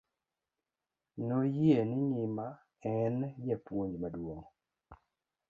Noyie ni ng'ima en japuonj maduong'.